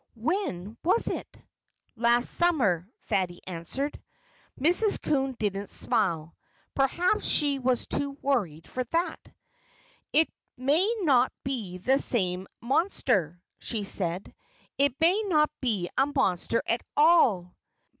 When was it?" "Last summer," Fatty answered. Mrs. Coon didn't smile. Perhaps she was too worried for that. "It may not be the same monster," she said. "It may not be a monster at all."